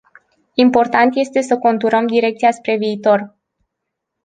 Important este să conturăm direcția spre viitor.